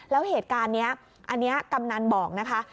แล้วเหตุการณ์นี้อันนี้กำนันบอกนะคะ